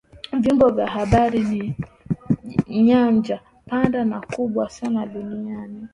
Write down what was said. vyombo vya habari ni nyanja pana na kubwa sana duniani